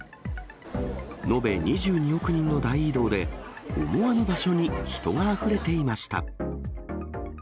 延べ２２億人の大移動で、思わぬ場所に人があふれていました。